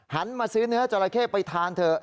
มาซื้อเนื้อจราเข้ไปทานเถอะ